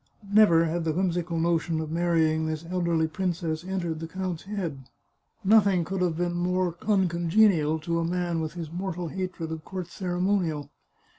Never had the whimsical notion of marrying this elderly princess entered the count's head. Nothing could have been more uncongenial to a man with his mortal hatred of court ceremonial.